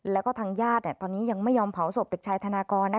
แล้วก็ทางญาติตอนนี้ยังไม่ยอมเผาศพเด็กชายธนากร